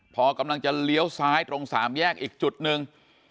พอกำลังจะเลี้ยวซ้ายตรงสามแยกอีกจุดหนึ่ง